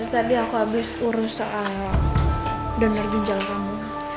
tadi aku habis urus soal donor ginjal kamu